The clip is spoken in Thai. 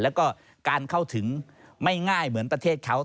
แล้วก็การเข้าถึงไม่ง่ายเหมือนประเทศเขา